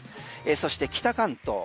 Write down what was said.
そして北関東。